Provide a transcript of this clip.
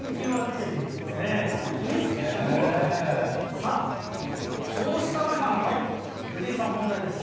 さあ、そうした中、藤井さん、問題です。